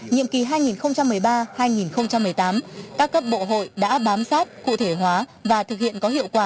nhiệm kỳ hai nghìn một mươi ba hai nghìn một mươi tám các cấp bộ hội đã bám sát cụ thể hóa và thực hiện có hiệu quả